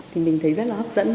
thì mình thấy rất là hấp dẫn